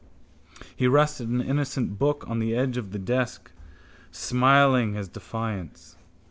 He rested an innocent book on the edge of the desk, smiling his defiance.